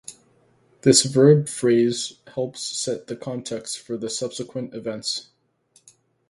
This verb phrase helps set the context for the subsequent events.